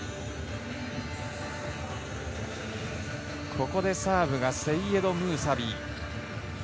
ここでサーブがセイエド・ムーサビ。